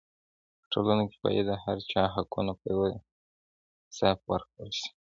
په ټولنه کې باید د هر چا حقونه په پوره انصاف ورکړل سي.